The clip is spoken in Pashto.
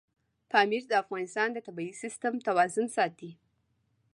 پامیر د افغانستان د طبعي سیسټم توازن ساتي.